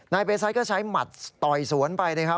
เบซัสก็ใช้หมัดต่อยสวนไปนะครับ